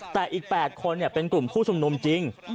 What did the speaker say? แต่อีก๘คนเป็นกลุ่มผู้ชุมนุมจริง